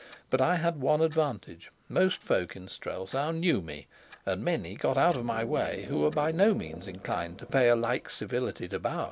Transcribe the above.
But I had one advantage. Most folk in Strelsau knew me, and many got out of my way who were by no means inclined to pay a like civility to Bauer.